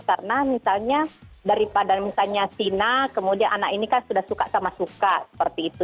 karena misalnya daripada misalnya sina kemudian anak ini kan sudah suka sama suka seperti itu